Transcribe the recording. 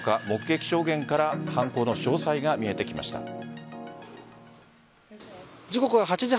目撃証言から犯行の詳細が見えてきました。